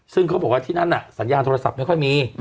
ซึ่งเขาบอกว่าที่นั่นน่ะสัญญาณโทรศัพท์ไม่ค่อยมี